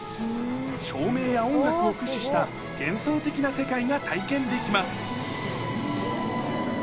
照明や音楽を駆使した幻想的な世界が体験できます。